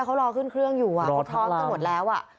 เขารอขึ้นเครื่องอยู่เขาท้องกันหมดแล้วอ่ะ